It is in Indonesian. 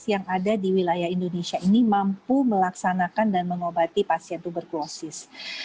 yang ada di wilayah indonesia ini mampu melaksanakan dan mengobati pasien tuberkulosis